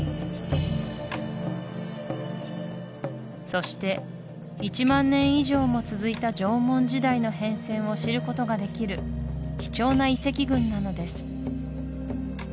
そして１万年以上も続いた縄文時代の変遷を知ることができる貴重な遺跡群なのです